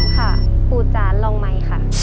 กูจะลองใหม่ค่ะ